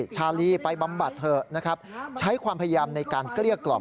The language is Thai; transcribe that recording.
ชาลีไปบำบัดเถอะนะครับใช้ความพยายามในการเกลี้ยกล่อม